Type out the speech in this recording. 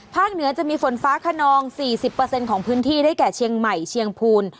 เหนือจะมีฝนฟ้าขนอง๔๐ของพื้นที่ได้แก่เชียงใหม่เชียงพูน